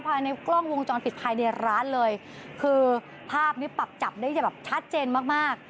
ภายในกล้องวงจรปิดภายในร้านเลยคือภาพนี้ปรับจับได้จะแบบชัดเจนมากมาก